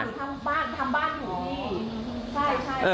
ทำบ้านทำบ้านอยู่ที่นี่